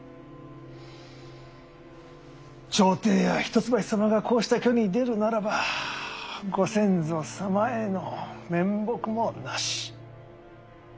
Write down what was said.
朝廷や一橋様がこうした挙に出るならばご先祖様への面目もなし。